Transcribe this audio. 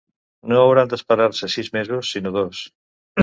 No hauran d’esperar-se sis mesos, sinó dos.